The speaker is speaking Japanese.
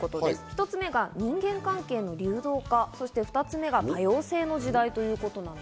１つ目が人間関係の流動化、そして２つ目が多様性の時代ということなんです。